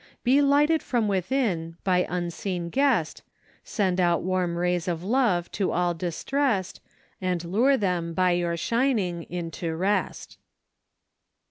Be lighted from within, by unseen Guest, Send out tcanyi rays of love to all distrest, And lure them by your shining into rest."